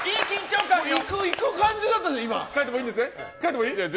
いく感じだったじゃん！